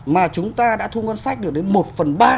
mà chúng ta đã thu ngân sách được đến một phần ba